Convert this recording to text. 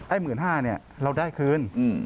ไอ้๑๕๐๐๐เราได้คืน